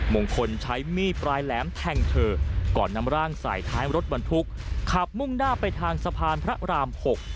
มงคลใช้มีดปลายแหลมแทงเธอก่อนนำร่างใส่ท้ายรถบรรทุกขับมุ่งหน้าไปทางสะพานพระราม๖